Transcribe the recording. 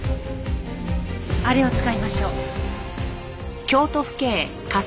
あれを使いましょう。